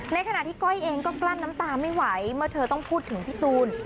ในขณะที่ก้อยเองก็กลั้นน้ำตาไม่ไหวเมื่อเธอต้องพูดถึงพี่ตูน